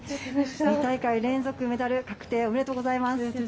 ２大会連続メダル確定おめでとうございます。